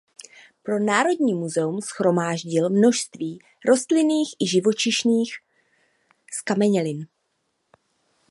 Pro Národní muzeum shromáždil množství rostlinných i živočišných zkamenělin.